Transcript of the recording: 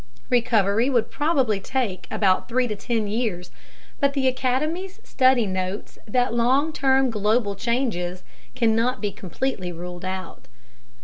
Recovery would probably take about 3 10 years, but the Academy's study notes that long term global changes cannot be completely ruled out.